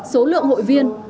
số lượng hội viên